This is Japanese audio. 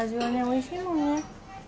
おいしいもんね。